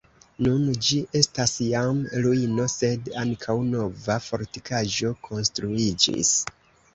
Nun ĝi estas jam ruino, sed ankaŭ nova fortikaĵo konstruiĝis.